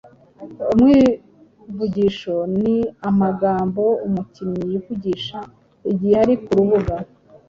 Umwivugisho: Ni amagambo umukinnyi yivugisha igihe ari ku rubuga